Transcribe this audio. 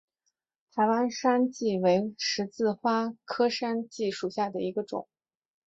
台湾山荠为十字花科山荠属下的一个种。